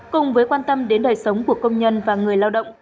cùng với quan tâm đến đời sống của công nhân và người lao động